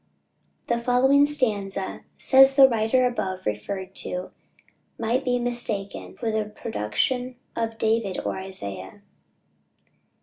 The following stanza, says the writer above referred to, might be mistaken for the production of David or Isaiah.